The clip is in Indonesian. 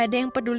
kamu yang terbaik